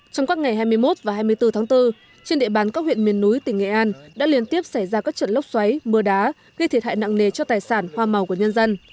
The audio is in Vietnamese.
trong các ngày hai mươi một và hai mươi bốn tháng bốn trên địa bàn các huyện miền núi tỉnh nghệ an đã liên tiếp xảy ra các trận lốc xoáy mưa đá gây thiệt hại nặng nề cho tài sản hoa màu của nhân dân